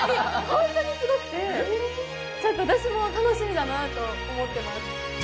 ホントにすごくてちょっと私も楽しみだなあと思ってます